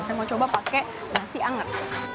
saya mau coba pakai nasi anget